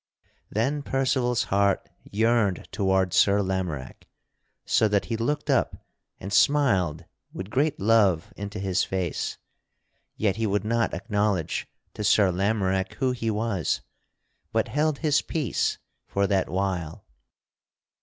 Then Percival's heart yearned toward Sir Lamorack, so that he looked up and smiled with great love into his face; yet he would not acknowledge to Sir Lamorack who he was, but held his peace for that while.